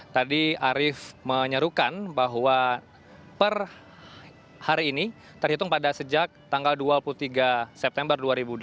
tadi arief menyerukan bahwa per hari ini terhitung pada sejak tanggal dua puluh tiga september dua ribu dua puluh